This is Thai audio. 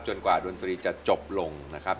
กว่าดนตรีจะจบลงนะครับ